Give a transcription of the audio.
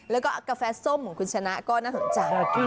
แล้วก็กาแฟส้มของคุณชนะก็น่าสนใจ